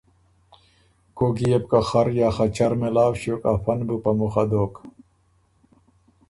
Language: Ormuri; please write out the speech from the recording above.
کوک کی يې بو که خر یا خچر مېلاؤ ݭیوک افۀ ن بُو په مُخ دوک،